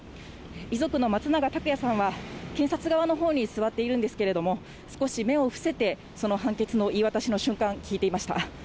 遺族の松永拓也さんは、検察側のほうに座っているんですけれども、少し目を伏せて、その判決の言い渡しの瞬間、聞いていました。